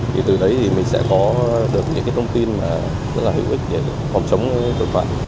thì từ đấy mình sẽ có được những thông tin rất là hữu ích để phòng chống tội phạm